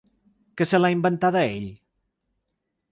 Que se l’ha inventada ell?